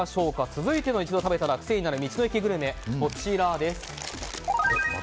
続いての一度食べたら癖になる道の駅グルメこちらです。